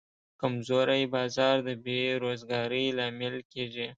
کمزوری بازار د بیروزګارۍ لامل کېږي.